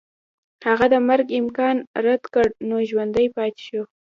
هغه د مرګ امکان رد کړ نو ژوندی پاتې شو.